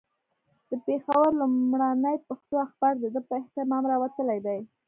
د پېښور لومړنی پښتو اخبار د ده په اهتمام راوتلی دی.